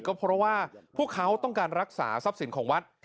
ก็เพราะว่าพวกเขาต้องการรักษาทรัพย์สินของวัด